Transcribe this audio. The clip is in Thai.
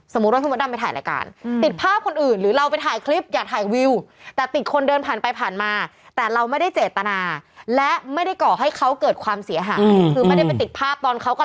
สมมุติว่าที่มดดำไปถ่ายรายการ